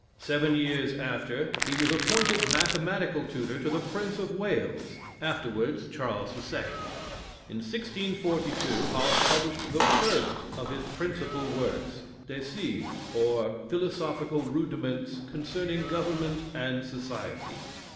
Seven years after, he was appointed mathematical tutor to the Prince of Wales, afterwards Charles II. In 1642, Hobbes published the first of his principal works, "De Cive, or Philosophical Rudiments Concerning Government and Society."